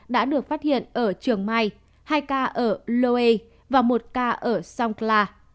đã được phát hiện ở trường mai hai ca ở loe và một ca ở songkla